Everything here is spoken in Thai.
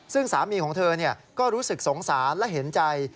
ซึ่งสามีของเธอก็รู้สึกสงสารและเห็นใจ